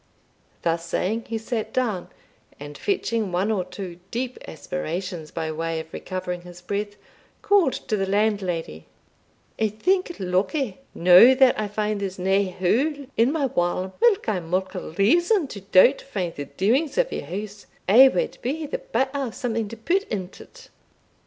Thus saying, he sat down, and fetching one or two deep aspirations, by way of recovering his breath, called to the landlady "I think, Luckie, now that I find that there's nae hole in my wame, whilk I had muckle reason to doubt frae the doings o' your house, I wad be the better o' something to pit intill't."